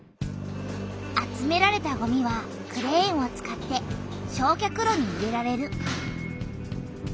集められたごみはクレーンを使って焼却炉に入れられる。